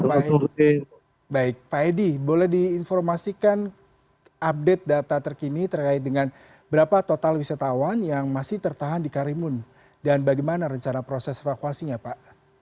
baik pak edi boleh diinformasikan update data terkini terkait dengan berapa total wisatawan yang masih tertahan di karimun dan bagaimana rencana proses evakuasinya pak